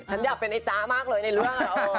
ฉันอยากเป็นไอ้จ๊ะมากเลยในเรื่อง